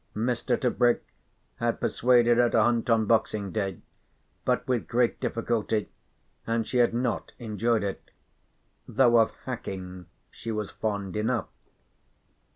Mr. Tebrick had persuaded her to hunt on Boxing Day, but with great difficulty, and she had not enjoyed it (though of hacking she was fond enough).